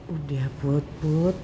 udah put put